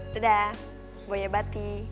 dadah boya bati